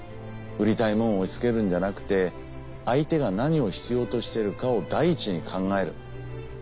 売りたいもんを押しつけるんじゃなくて相手が何を必要としてるかを第一に考える。